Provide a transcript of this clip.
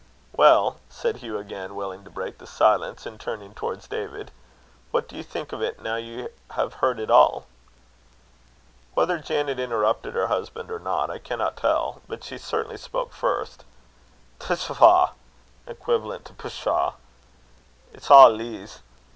"Well," said Hugh, again, willing to break the silence, and turning towards David, "what do you think of it now you have heard it all?" Whether Janet interrupted her husband or not, I cannot tell; but she certainly spoke first: "Tshavah!" equivalent to pshaw "it's a' lees.